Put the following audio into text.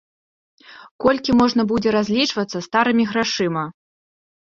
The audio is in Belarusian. Колькі можна будзе разлічвацца старымі грашыма?